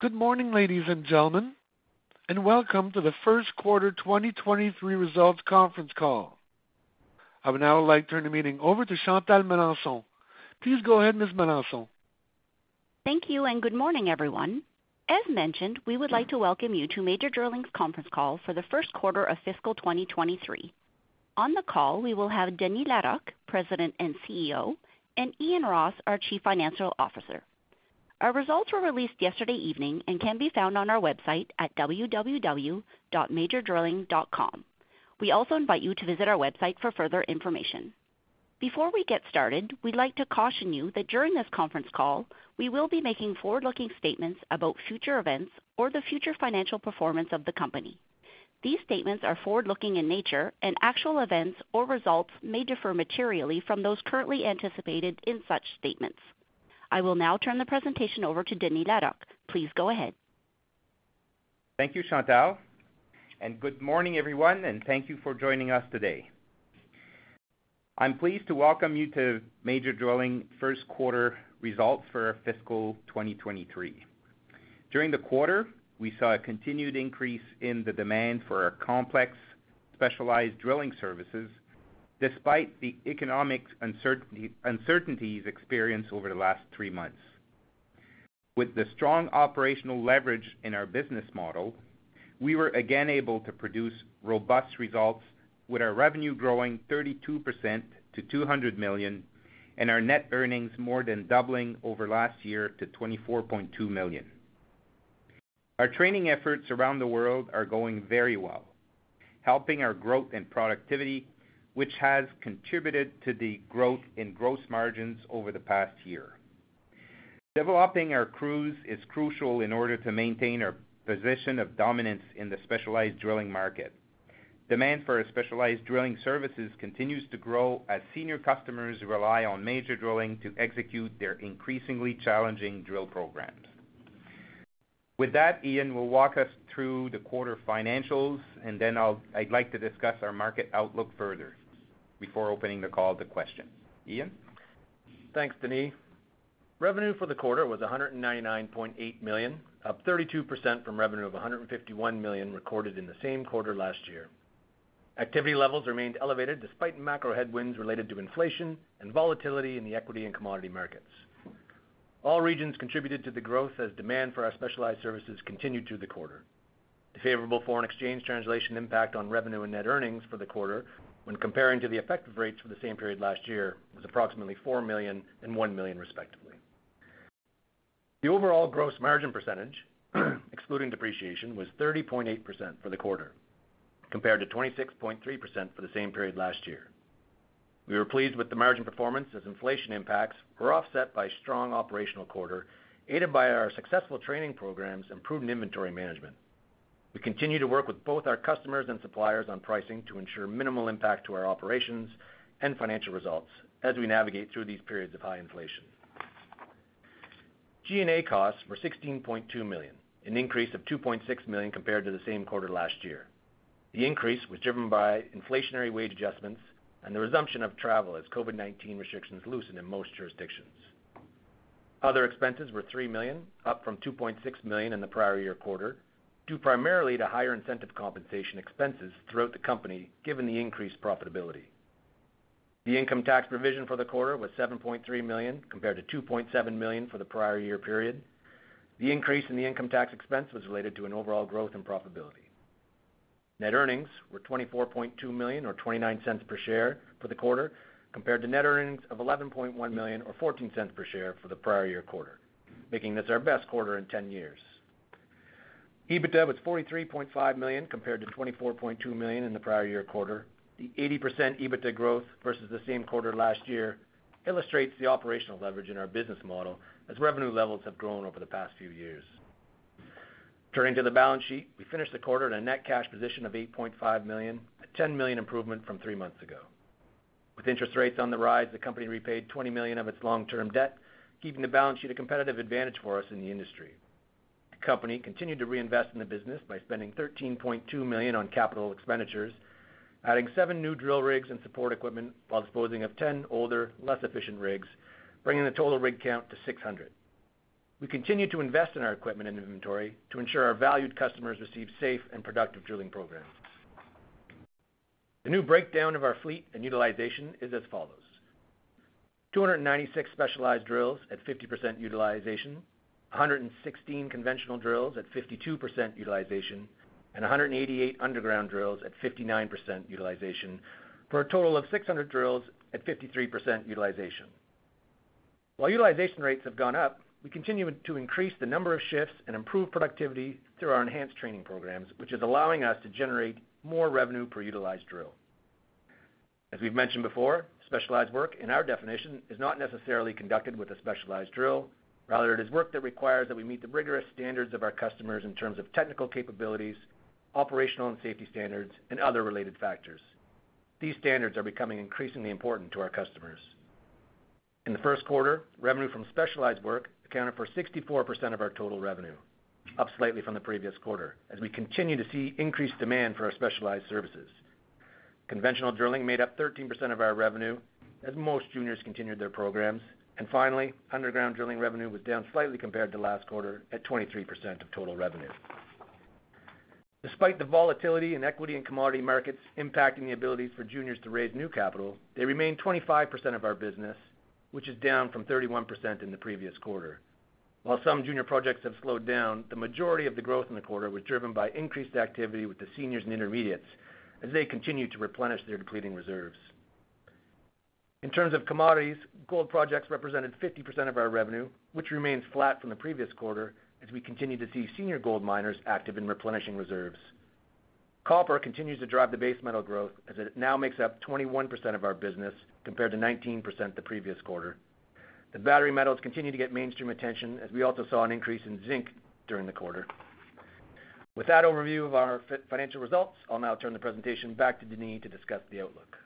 Good morning, ladies and gentlemen, and welcome to the first quarter 2023 results conference call. I would now like to turn the meeting over to Chantal Melanson. Please go ahead, Ms. Melanson. Thank you, and good morning, everyone. As mentioned, we would like to welcome you to Major Drilling's conference call for the first quarter of fiscal 2023. On the call, we will have Denis Larocque, President and CEO, and Ian Ross, our Chief Financial Officer. Our results were released yesterday evening and can be found on our website at www.majordrilling.com. We also invite you to visit our website for further information. Before we get started, we'd like to caution you that during this conference call, we will be making forward-looking statements about future events or the future financial performance of the company. These statements are forward-looking in nature, and actual events or results may differ materially from those currently anticipated in such statements. I will now turn the presentation over to Denis Larocque. Please go ahead. Thank you, Chantal. Good morning, everyone, and thank you for joining us today. I'm pleased to welcome you to Major Drilling first quarter results for fiscal 2023. During the quarter, we saw a continued increase in the demand for our complex specialized drilling services despite the economic uncertainties experienced over the last three months. With the strong operational leverage in our business model, we were again able to produce robust results with our revenue growing 32% to 200 million and our net earnings more than doubling over last year to 24.2 million. Our training efforts around the world are going very well, helping our growth and productivity, which has contributed to the growth in gross margins over the past year. Developing our crews is crucial in order to maintain our position of dominance in the specialized drilling market. Demand for our specialized drilling services continues to grow as senior customers rely on Major Drilling to execute their increasingly challenging drill programs. With that, Ian will walk us through the quarter financials, and then I'd like to discuss our market outlook further before opening the call to questions. Ian? Thanks, Denis. Revenue for the quarter was 199.8 million, up 32% from revenue of 151 million recorded in the same quarter last year. Activity levels remained elevated despite macro headwinds related to inflation and volatility in the equity and commodity markets. All regions contributed to the growth as demand for our specialized services continued through the quarter. The favorable foreign exchange translation impact on revenue and net earnings for the quarter when comparing to the effective rates for the same period last year was approximately 4 million and 1 million, respectively. The overall gross margin percentage, excluding depreciation, was 30.8% for the quarter, compared to 26.3% for the same period last year. We were pleased with the margin performance as inflation impacts were offset by strong operational quarter, aided by our successful training programs, improved inventory management. We continue to work with both our customers and suppliers on pricing to ensure minimal impact to our operations and financial results as we navigate through these periods of high inflation. G&A costs were CAD 16.2 million, an increase of CAD 2.6 million compared to the same quarter last year. The increase was driven by inflationary wage adjustments and the resumption of travel as COVID-19 restrictions loosened in most jurisdictions. Other expenses were 3 million, up from 2.6 million in the prior year quarter, due primarily to higher incentive compensation expenses throughout the company, given the increased profitability. The income tax provision for the quarter was 7.3 million, compared to 2.7 million for the prior year period. The increase in the income tax expense was related to an overall growth and profitability. Net earnings were 24.2 million or 0.29 per share for the quarter, compared to net earnings of 11.1 million or 0.14 per share for the prior year quarter, making this our best quarter in 10 years. EBITDA was 43.5 million compared to 24.2 million in the prior year quarter. The 80% EBITDA growth versus the same quarter last year illustrates the operational leverage in our business model as revenue levels have grown over the past few years. Turning to the balance sheet, we finished the quarter at a net cash position of 8.5 million, a 10 million improvement from three months ago. With interest rates on the rise, the company repaid 20 million of its long-term debt, keeping the balance sheet a competitive advantage for us in the industry. The company continued to reinvest in the business by spending 13.2 million on capital expenditures, adding seven new drill rigs and support equipment while disposing of 10 older, less efficient rigs, bringing the total rig count to 600. We continue to invest in our equipment and inventory to ensure our valued customers receive safe and productive drilling programs. The new breakdown of our fleet and utilization is as follows. 296 specialized drills at 50% utilization, 116 conventional drills at 52% utilization, and 188 underground drills at 59% utilization, for a total of 600 drills at 53% utilization. While utilization rates have gone up, we continue to increase the number of shifts and improve productivity through our enhanced training programs, which is allowing us to generate more revenue per utilized drill. As we've mentioned before, specialized work, in our definition, is not necessarily conducted with a specialized drill. Rather, it is work that requires that we meet the rigorous standards of our customers in terms of technical capabilities, operational and safety standards, and other related factors. These standards are becoming increasingly important to our customers. In the first quarter, revenue from specialized work accounted for 64% of our total revenue, up slightly from the previous quarter as we continue to see increased demand for our specialized services. Conventional drilling made up 13% of our revenue as most juniors continued their programs. Finally, underground drilling revenue was down slightly compared to last quarter at 23% of total revenue. Despite the volatility in equity and commodity markets impacting the ability for juniors to raise new capital, they remain 25% of our business, which is down from 31% in the previous quarter. While some junior projects have slowed down, the majority of the growth in the quarter was driven by increased activity with the seniors and intermediates as they continue to replenish their depleting reserves. In terms of commodities, gold projects represented 50% of our revenue, which remains flat from the previous quarter as we continue to see senior gold miners active in replenishing reserves. Copper continues to drive the base metal growth as it now makes up 21% of our business, compared to 19% the previous quarter. The battery metals continue to get mainstream attention as we also saw an increase in zinc during the quarter. With that overview of our financial results, I'll now turn the presentation back to Denis to discuss the outlook.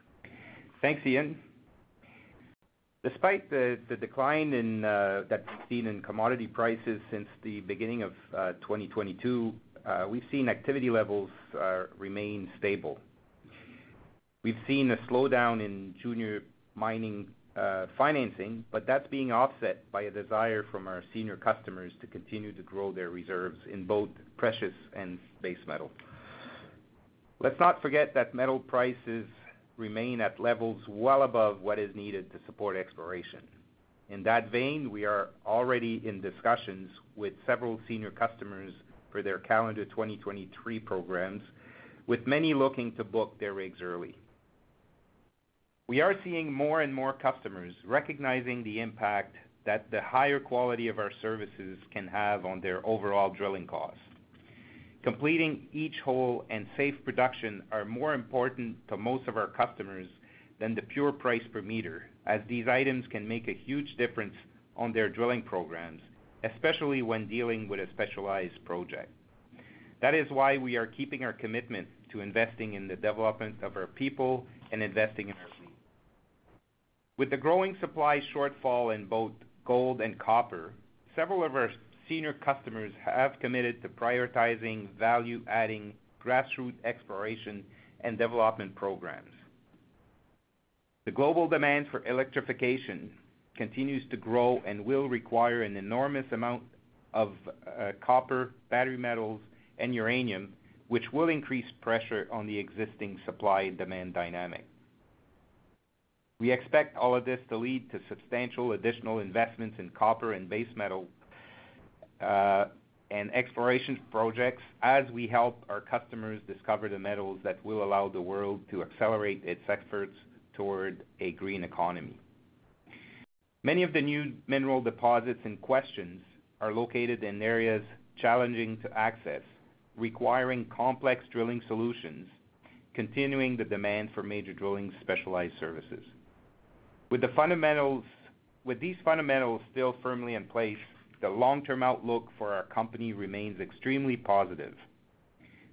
Thanks, Ian. Despite the decline in commodity prices since the beginning of 2022, we've seen activity levels remain stable. We've seen a slowdown in junior mining financing, but that's being offset by a desire from our senior customers to continue to grow their reserves in both precious and base metal. Let's not forget that metal prices remain at levels well above what is needed to support exploration. In that vein, we are already in discussions with several senior customers for their calendar 2023 programs, with many looking to book their rigs early. We are seeing more and more customers recognizing the impact that the higher quality of our services can have on their overall drilling costs. Completing each hole and safe production are more important to most of our customers than the pure price per meter, as these items can make a huge difference on their drilling programs, especially when dealing with a specialized project. That is why we are keeping our commitment to investing in the development of our people and investing in our fleet. With the growing supply shortfall in both gold and copper, several of our senior customers have committed to prioritizing value-adding grassroot exploration and development programs. The global demand for electrification continues to grow and will require an enormous amount of copper, battery metals, and uranium, which will increase pressure on the existing supply and demand dynamic. We expect all of this to lead to substantial additional investments in copper and base metal, and exploration projects as we help our customers discover the metals that will allow the world to accelerate its efforts toward a green economy. Many of the new mineral deposits in questions are located in areas challenging to access, requiring complex drilling solutions, continuing the demand for Major Drilling specialized services. With these fundamentals still firmly in place, the long-term outlook for our company remains extremely positive.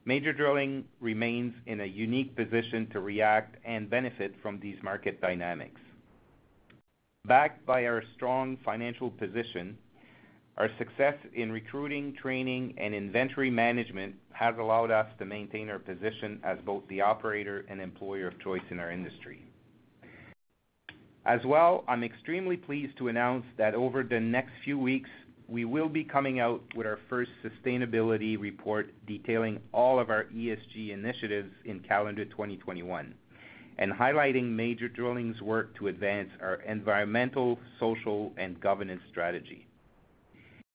Major Drilling remains in a unique position to react and benefit from these market dynamics. Backed by our strong financial position, our success in recruiting, training, and inventory management has allowed us to maintain our position as both the operator and employer of choice in our industry. I'm extremely pleased to announce that over the next few weeks, we will be coming out with our first sustainability report detailing all of our ESG initiatives in calendar 2021 and highlighting Major Drilling's work to advance our environmental, social, and governance strategy.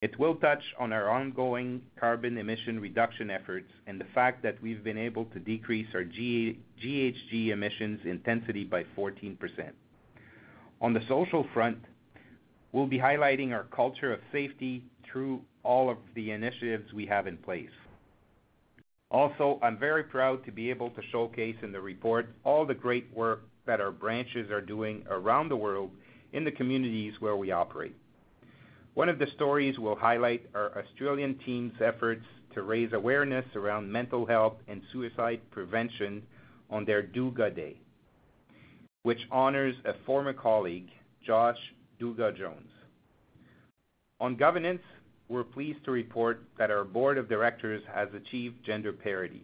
It will touch on our ongoing carbon emission reduction efforts and the fact that we've been able to decrease our GHG emissions intensity by 14%. On the social front, we'll be highlighting our culture of safety through all of the initiatives we have in place. Also, I'm very proud to be able to showcase in the report all the great work that our branches are doing around the world in the communities where we operate. One of the stories will highlight our Australian team's efforts to raise awareness around mental health and suicide prevention on their Dooga Day which honors a former colleague, Josh "Dooga" Jones. On governance, we're pleased to report that our board of directors has achieved gender parity.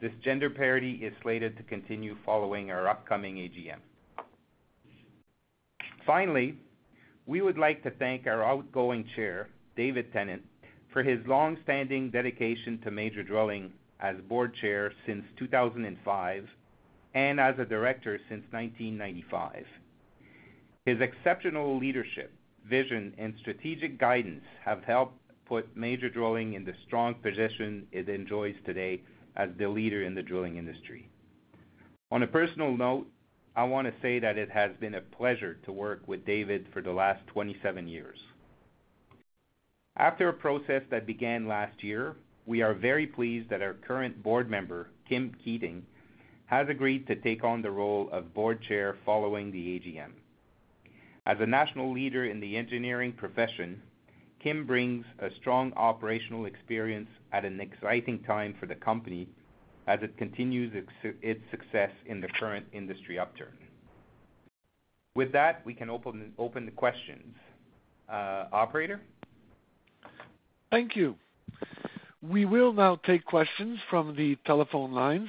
This gender parity is slated to continue following our upcoming AGM. Finally, we would like to thank our outgoing Chair, David Tennant, for his long-standing dedication to Major Drilling as board Chair since 2005, and as a director since 1995. His exceptional leadership, vision, and strategic guidance have helped put Major Drilling in the strong position it enjoys today as the leader in the drilling industry. On a personal note, I wanna say that it has been a pleasure to work with David for the last 27 years. After a process that began last year, we are very pleased that our current board member, Kim Keating, has agreed to take on the role of board chair following the AGM. As a national leader in the engineering profession, Kim brings a strong operational experience at an exciting time for the company as it continues its success in the current industry upturn. With that, we can open the questions. Operator? Thank you. We will now take questions from the telephone lines.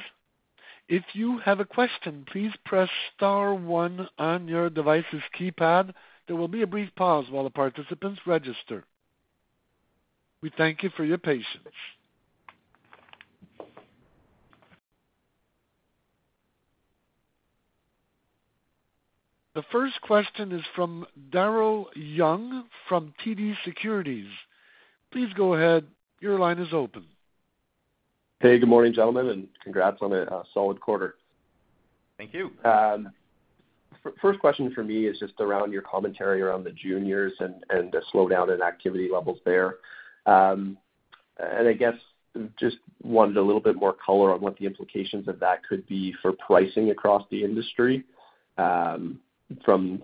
If you have a question, please press star one on your device's keypad. There will be a brief pause while the participants register. We thank you for your patience. The first question is from Daryl Young from TD Securities. Please go ahead. Your line is open. Hey, good morning, gentlemen, and congrats on a solid quarter. Thank you. First question for me is just around your commentary around the juniors and the slowdown in activity levels there. I guess just wanted a little bit more color on what the implications of that could be for pricing across the industry, from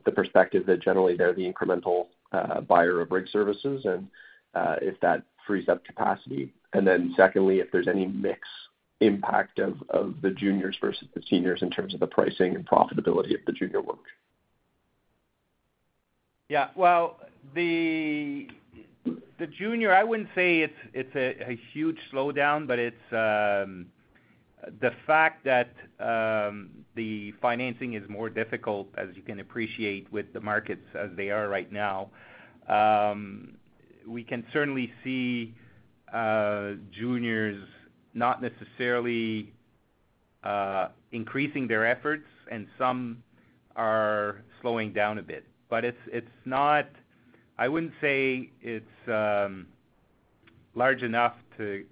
the perspective that generally they're the incremental buyer of rig services and if that frees up capacity. Secondly, if there's any mix impact of the juniors versus the seniors in terms of the pricing and profitability of the junior work. Yeah. Well, the junior, I wouldn't say it's a huge slowdown, but it's the fact that the financing is more difficult, as you can appreciate with the markets as they are right now, we can certainly see juniors not necessarily increasing their efforts, and some are slowing down a bit. It's not. I wouldn't say it's large enough to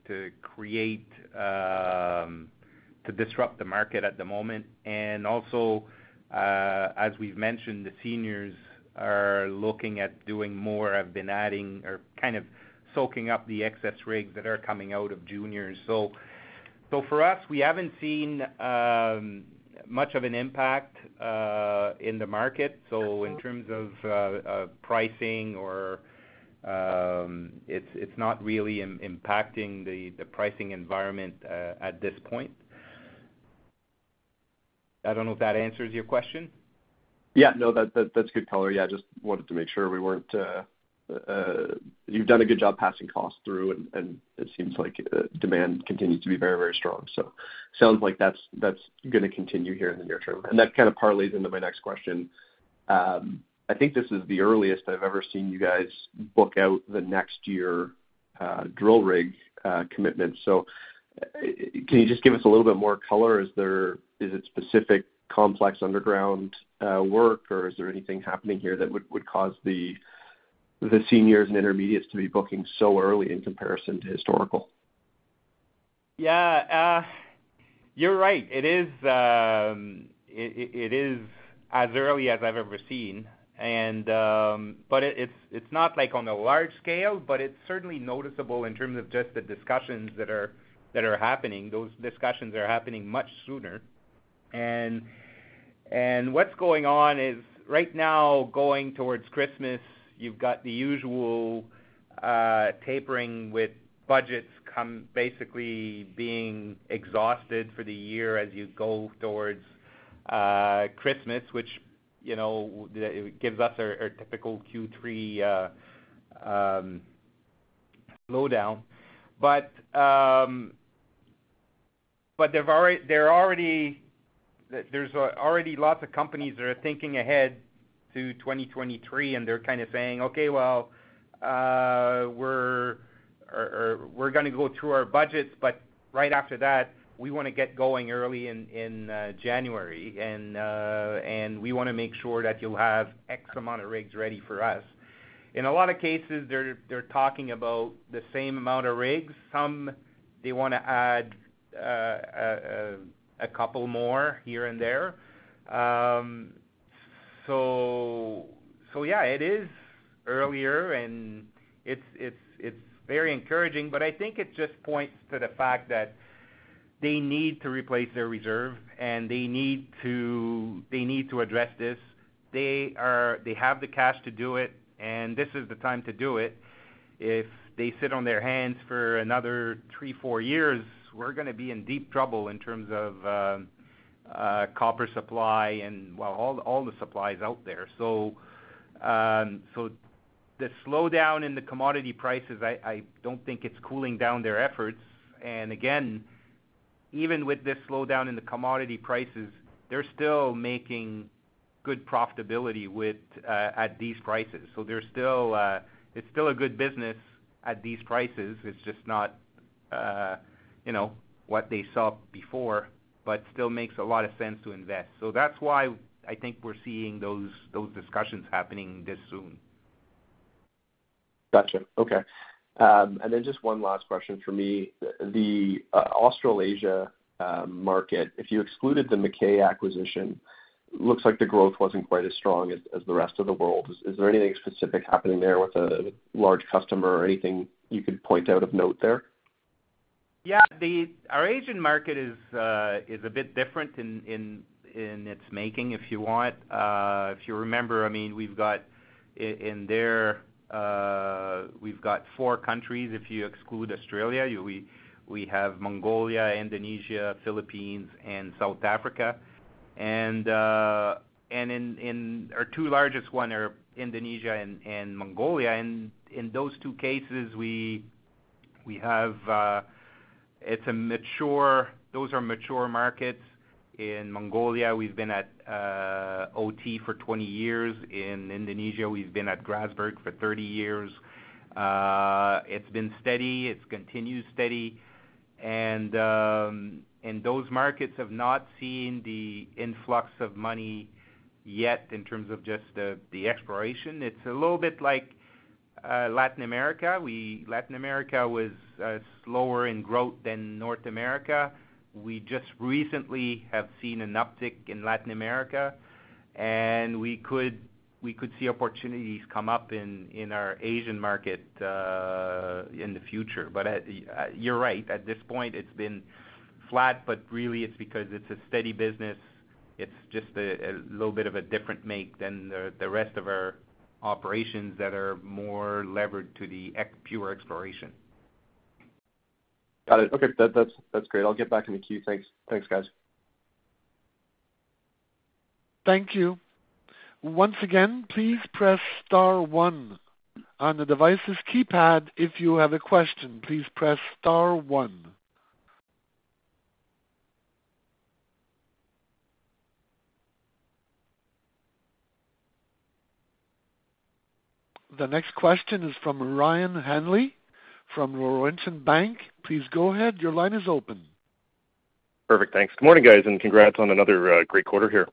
create to disrupt the market at the moment. Also, as we've mentioned, the seniors are looking at doing more, have been adding or kind of soaking up the excess rigs that are coming out of juniors. For us, we haven't seen much of an impact in the market. In terms of pricing or, it's not really impacting the pricing environment at this point. I don't know if that answers your question. Yeah. No. That's good color. Yeah, just wanted to make sure we weren't. You've done a good job passing costs through, and it seems like demand continues to be very strong. So, sounds like that's gonna continue here in the near term. That kind of parlays into my next question. I think this is the earliest I've ever seen you guys book out the next year, drill rig commitment. So, can you just give us a little bit more color? Is it specific complex underground work, or is there anything happening here that would cause the seniors and intermediates to be booking so early in comparison to historical? Yeah. You're right. It is as early as I've ever seen. But it's not like on a large scale, but it's certainly noticeable in terms of just the discussions that are happening. Those discussions are happening much sooner. What's going on is, right now, going towards Christmas, you've got the usual tapering with budgets coming basically being exhausted for the year as you go towards Christmas, which, you know, it gives us our typical Q3 slowdown. They've already lots of companies that are thinking ahead to 2023, and they're kinda saying, "Okay, well, we're gonna go through our budgets, but right after that, we wanna get going early in January, and we wanna make sure that you have X amount of rigs ready for us." In a lot of cases they're talking about the same amount of rigs. Some they wanna add a couple more here and there. So yeah, it is earlier and it's very encouraging. I think it just points to the fact that they need to replace their reserve, and they need to address this. They have the cash to do it, and this is the time to do it. If they sit on their hands for another three four years, we're gonna be in deep trouble in terms of copper supply and, well, all the supplies out there. The slowdown in the commodity prices, I don't think it's cooling down their efforts. Again, even with this slowdown in the commodity prices, they're still making good profitability with at these prices. It's still a good business at these prices. It's just not, you know, what they saw before, but still makes a lot of sense to invest. That's why I think we're seeing those discussions happening this soon. Gotcha. Okay. Just one last question for me. The Australasia market, if you excluded the McKay acquisition, looks like the growth wasn't quite as strong as the rest of the world. Is there anything specific happening there with a large customer or anything you could point out of note there? Yeah. Our Asian market is a bit different in its making, if you want. If you remember, I mean, we've got in there, we've got four countries if you exclude Australia. We have Mongolia, Indonesia, Philippines, and South Africa. Our two largest ones are Indonesia and Mongolia. In those two cases, we have those are mature markets. In Mongolia, we've been at OT for 20 years. In Indonesia, we've been at Grasberg for 30 years. It's been steady. It's continued steady. Those markets have not seen the influx of money yet in terms of just the exploration. It's a little bit like Latin America. Latin America was slower in growth than North America. We just recently have seen an uptick in Latin America, and we could see opportunities come up in our Asian market in the future. You're right. At this point, it's been flat, but really it's because it's a steady business. It's just a little bit of a different make than the rest of our operations that are more levered to the pure exploration. Got it. Okay. That's great. I'll get back in the queue. Thanks. Thanks, guys. Thank you. Once again, please press star one on the device's keypad. If you have a question, please press star one. The next question is from Ryan Hanley from Laurentian Bank. Please go ahead. Your line is open. Perfect. Thanks. Good morning, guys, and congrats on another great quarter here.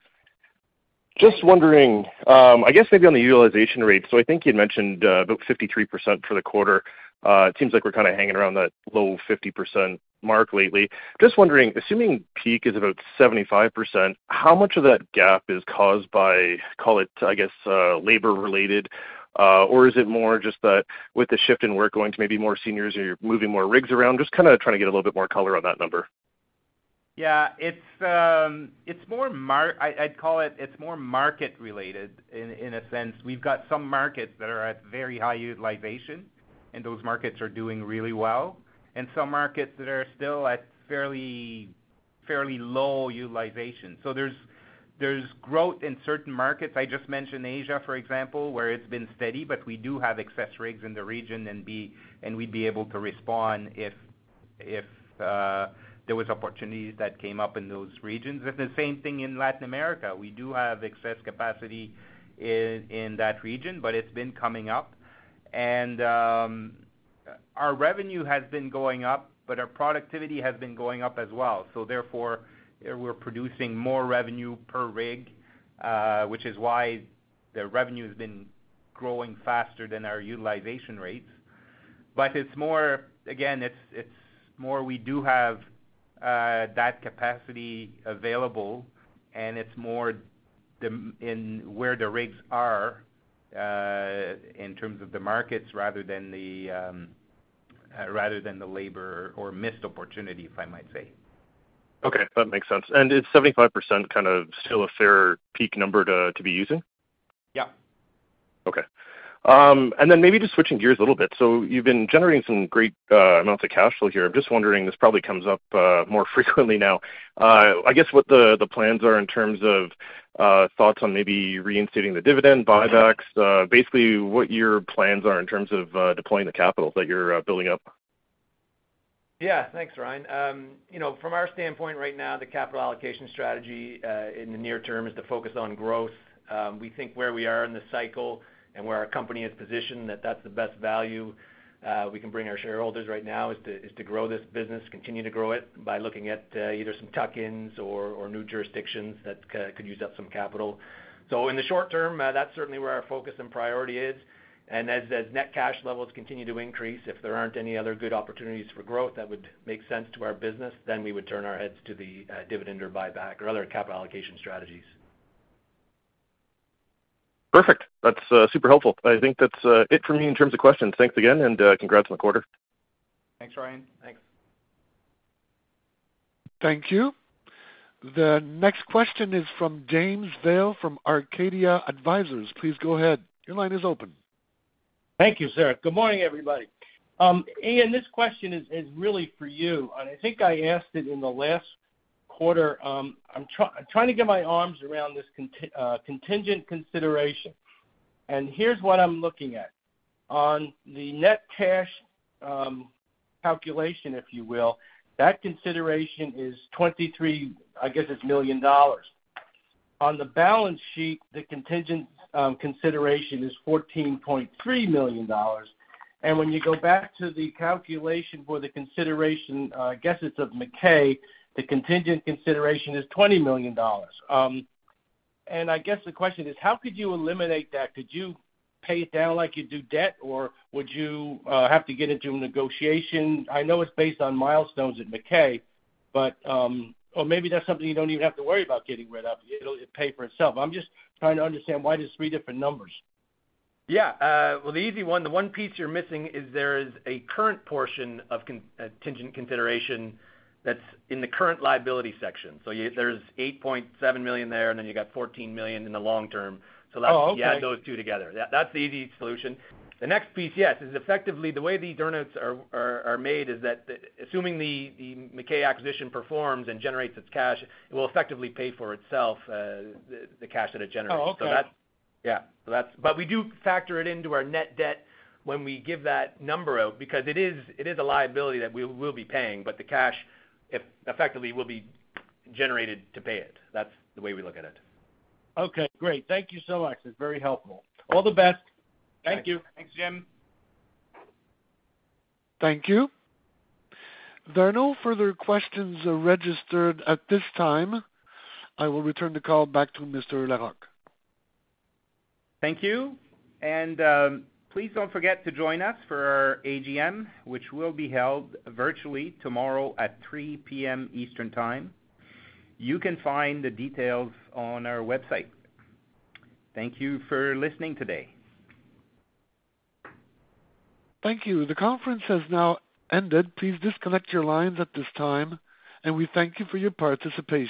Just wondering, I guess maybe on the utilization rate. I think you'd mentioned about 53% for the quarter. It seems like we're kinda hanging around that low 50% mark lately. Just wondering, assuming peak is about 75%, how much of that gap is caused by, call it, I guess, labor related, or is it more just that with the shift in work going to maybe more seniors or you're moving more rigs around? Just kinda trying to get a little bit more color on that number. Yeah. It's more market related, in a sense. We've got some markets that are at very high utilization, and those markets are doing really well, and some markets that are still at fairly low utilization. There's growth in certain markets. I just mentioned Asia, for example, where it's been steady, but we do have excess rigs in the region, and we'd be able to respond if there was opportunities that came up in those regions. It's the same thing in Latin America. We do have excess capacity in that region, but it's been coming up. Our revenue has been going up, but our productivity has been going up as well. Therefore, we're producing more revenue per rig, which is why the revenue's been growing faster than our utilization rates. It's more. Again, it's more we do have that capacity available, and it's more in where the rigs are in terms of the markets rather than the labor or missed opportunity, if I might say. Okay. That makes sense. Is 75% kind of still a fair peak number to be using? Yeah. Okay. Maybe just switching gears a little bit. You've been generating some great amounts of cash flow here. I'm just wondering, this probably comes up more frequently now. I guess what the plans are in terms of thoughts on maybe reinstating the dividend buybacks, basically what your plans are in terms of deploying the capital that you're building up. Yeah. Thanks, Ryan. You know, from our standpoint right now, the capital allocation strategy in the near term is to focus on growth. We think where we are in this cycle and where our company is positioned, that that's the best value we can bring our shareholders right now is to grow this business, continue to grow it by looking at either some tuck-ins or new jurisdictions that could use up some capital. So, in the short term, that's certainly where our focus and priority is. As net cash levels continue to increase, if there aren't any other good opportunities for growth that would make sense to our business, then we would turn our heads to the dividend or buyback or other capital allocation strategies. Perfect. That's super helpful. I think that's it for me in terms of questions. Thanks again, and congrats on the quarter. Thanks, Ryan. Thanks. Thank you. The next question is from James Vail, from Arcadia Advisors. Please go ahead. Your line is open. Thank you, sir. Good morning, everybody. Ian, this question is really for you, and I think I asked it in the last quarter. I'm trying to get my arms around this contingent consideration, and here's what I'm looking at. On the net cash calculation, if you will, that consideration is 23 million dollars. On the balance sheet, the contingent consideration is 14.3 million dollars. When you go back to the calculation for the consideration of McKay, the contingent consideration is 20 million dollars. I guess the question is, how could you eliminate that? Could you pay it down like you do debt, or would you have to get into a negotiation? I know it's based on milestones at McKay, but. Maybe that's something you don't even have to worry about getting rid of. It'll pay for itself. I'm just trying to understand why there's three different numbers. Well, the easy one, the one piece you're missing is there is a current portion of contingent consideration that's in the current liability section. So, there's 8.7 million there, and then you got 14 million in the long term. Oh, okay. Yeah, those two together. That, that's the easy solution. The next piece, yes, is effectively the way the earn-outs are made is that the assuming the McKay acquisition performs and generates its cash, it will effectively pay for itself, the cash that it generates. Oh, okay. We do factor it into our net debt when we give that number out because it is a liability that we will be paying, but the cash effectively will be generated to pay it. That's the way we look at it. Okay, great. Thank you so much. It's very helpful. All the best. Thank you. Thanks, Jim. Thank you. There are no further questions, registered at this time. I will return the call back to Mr. Larocque. Thank you. Please don't forget to join us for our AGM, which will be held virtually tomorrow at 3:00 P.M. Eastern Time. You can find the details on our website. Thank you for listening today. Thank you. The conference has now ended. Please disconnect your lines at this time, and we thank you for your participation.